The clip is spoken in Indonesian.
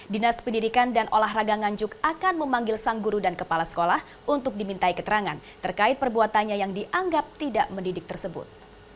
dinas pendidikan dan olahraga nganjuk akan memanggil sang guru dan kepala sekolah untuk dimintai keterangan terkait perbuatannya yang dianggap tidak mendidik tersebut